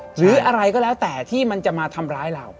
หรืออะไรก็แล้วแต่ที่มันจะมาทำร้ายเรา